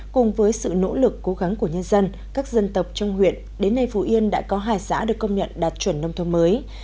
cùng với sự nỗ lực cố gắng của nhân dân các dân tộc trong huyện đến nay phú yên đã có hai xã được công nhận đạt chuẩn nông thôn mới